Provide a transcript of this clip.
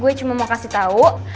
gue cuma mau kasih tahu